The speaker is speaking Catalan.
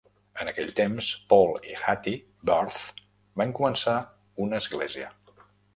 En aquell temps, Paul i Hattie Barth van començar una església.